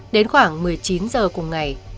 đến khoảng một mươi chín giờ cùng ngày